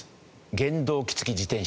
原動機付き自転車。